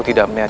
baik nih mas